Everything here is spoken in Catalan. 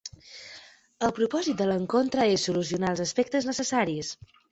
El propòsit de l'encontre és solucionar els aspectes necessaris.